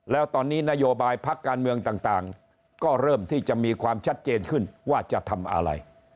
แล้วตอนนี้นโยบายพักการเมืองต่างก็เริ่มที่จะมีความชัดเจนขึ้นว่าจะทำอะไร